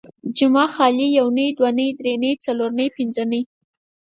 جمعه ، خالي ، يونۍ ،دونۍ ، دري نۍ، څلور نۍ، پنځه نۍ